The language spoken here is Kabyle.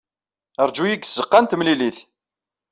Ṛju-iyi deg tzeɣɣa n temlilit.